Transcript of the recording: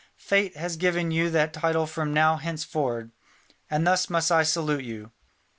Fate has given you that title from now henceforward, and thus must I salute you."